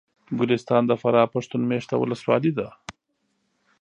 ګلستان د فراه پښتون مېشته ولسوالي ده